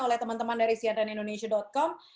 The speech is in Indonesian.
oleh teman teman dari cnnindonesia com